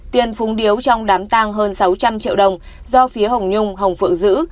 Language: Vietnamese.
tiền phung điếu trong đám tang hơn sáu trăm linh triệu đồng do phía hồng nhung hồng phượng giữ